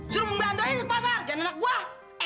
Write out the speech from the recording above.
suruh pembantu aja ke pasar jangan anak gue